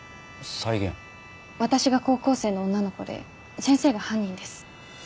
私が高校生の女の子で先生が犯人です。